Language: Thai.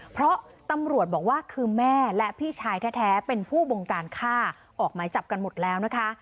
เพราะตำรวจบอกว่าคือแม่และพี่ชายแท้เป็นผู้บงการฆ่าออกหมายจับกันหมดแล้วนะคะ